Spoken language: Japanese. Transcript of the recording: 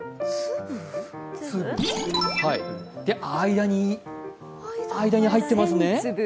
間に入ってますね。